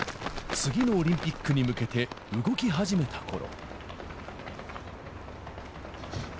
次のオリンピックに向けて、動き始めたころ。